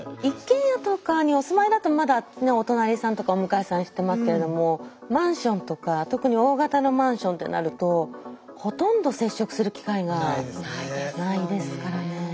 一軒家とかにお住まいだとまだねお隣さんとかお向かいさん知ってますけれどもマンションとか特に大型のマンションってなるとほとんど接触する機会がないですからね。